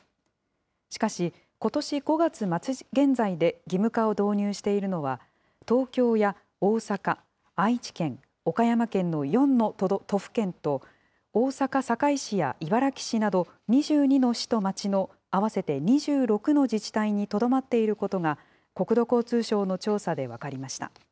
しかし、ことし５月末現在で義務化を導入しているのは東京や大阪、愛知県、岡山県の４の都府県と、大阪・堺市や茨木市など２２の市と町の合わせて２６の自治体にとどまっていることが、国土交通省の調査で分かりました。